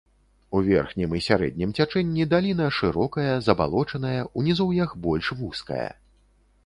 У верхнім і сярэднім цячэнні даліна шырокая забалочаная, у нізоўях больш вузкая.